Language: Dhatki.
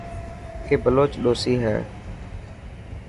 اي بلوچ ڏوسي هي.